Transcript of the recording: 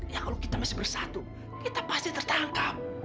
ya kalau kita masih bersatu kita pasti tertangkap